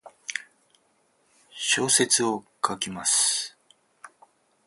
小説を書きます。